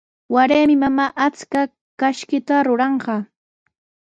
Waraymi mamaa akshu kashkita ruranqa.